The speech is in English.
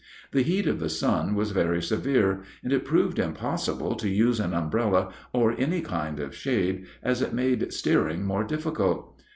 The heat of the sun was very severe, and it proved impossible to use an umbrella or any kind of shade, as it made steering more difficult.